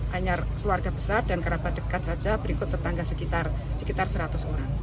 hanya keluarga besar dan kerabat dekat saja berikut tetangga sekitar seratus orang